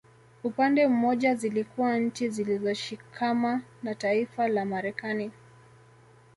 Upande mmoja zilikuwa nchi zilizoshikama na taifa la Marekani